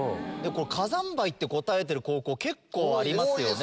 「火山灰」って答えてる高校結構ありますよね。